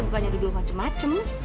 bukannya duduk macem macem